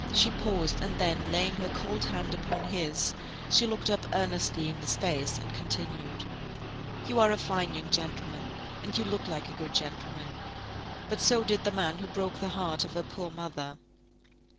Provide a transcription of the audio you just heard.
She paused, and then laying her cold hand upon his, she looked up earnestly in his face, and continued, "You are a fine young gentleman, and you look like a good gentleman; but so did the man who broke the heart of her poor mother.